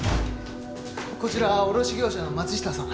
こちら卸業者の松下さん。